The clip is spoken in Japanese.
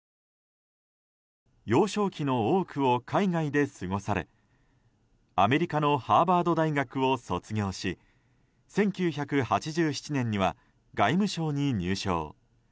幼少期の多くを海外で過ごされアメリカのハーバード大学を卒業し１９８７年には外務省に入省。